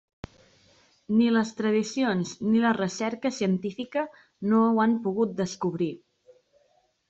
Ni les tradicions ni la recerca científica no ho han pogut descobrir.